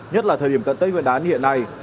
nhất là thời điểm cận tết nguyên đá hiện nay